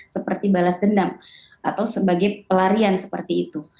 seperti balas dendam atau sebagai pelarian seperti itu